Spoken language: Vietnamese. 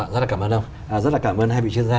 rất là cảm ơn ông rất là cảm ơn hai vị chuyên gia